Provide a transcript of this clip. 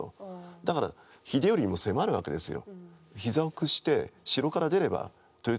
だから秀頼にも迫るわけですよ。